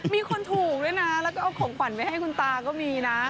มีคนถูกด้วยนะแล้วก็เอาของขวัญไปให้คุณตาก็มีนะ